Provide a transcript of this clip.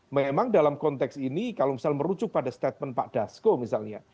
memang dalam konteks ini kalau misalnya merujuk pada statement pak dasko misalnya